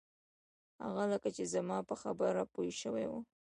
هغه لکه چې زما په خبره پوی شوی و.